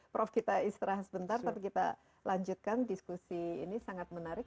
prof kita istirahat sebentar tapi kita lanjutkan diskusi ini sangat menarik